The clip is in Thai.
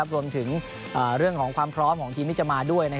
รวมถึงเรื่องของความพร้อมของทีมที่จะมาด้วย